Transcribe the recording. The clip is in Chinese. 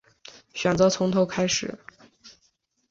选择从头开始